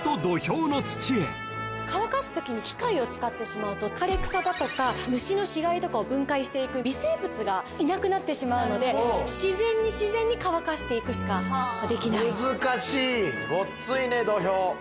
乾かすときに機械を使ってしまうと枯れ草だとか虫の死骸とかを分解していく微生物がいなくなってしまうので自然に自然に乾かしていくしかできない。